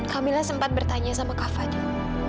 kak mila sempat bertanya sama kak fadil